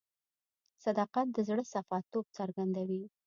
صداقت د زړه صفا توب څرګندوي.